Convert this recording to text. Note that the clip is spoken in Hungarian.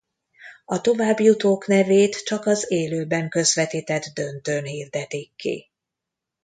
A továbbjutók nevét csak az élőben közvetített döntőn hirdetik ki.